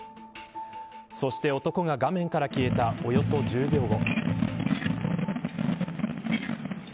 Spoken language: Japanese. そして男が画面から消えたおよそ１０秒後。